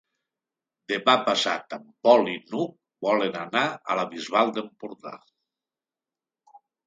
Demà passat en Pol i n'Hug volen anar a la Bisbal d'Empordà.